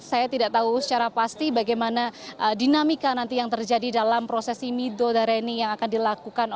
saya tidak tahu secara pasti bagaimana dinamika nanti yang terjadi dalam prosesi midodareni yang akan dilakukan